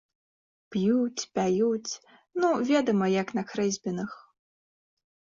П'юць, пяюць, ну, ведама, як на хрэсьбінах.